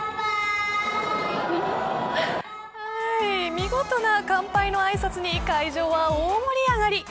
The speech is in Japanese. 見事な乾杯のあいさつに会場は大盛り上がり。